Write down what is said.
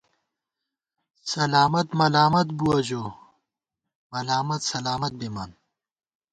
سلامت ملامت بُوَہ، ژو ملامت سلامت بِمان